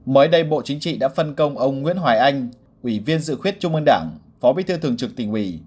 mới đây bộ chính trị đã phân công ông nguyễn hoài anh ủy viên dự khuyết trung ương đảng phó bí thư thường trực tỉnh ủy